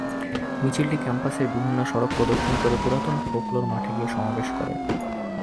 মিছিলটি ক্যাম্পাসের বিভিন্ন সড়ক প্রদক্ষিণ করে পুরাতন ফোকলোর মাঠে গিয়ে সমাবেশ করে।